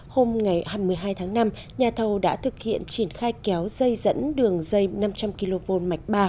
hôm hai mươi hai tháng năm nhà thầu đã thực hiện triển khai kéo dây dẫn đường dây năm trăm linh kv mạch ba